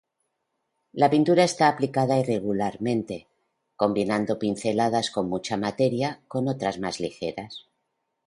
La pintura está aplicada irregularmente, combinando pinceladas con mucha materia con otras más ligeras.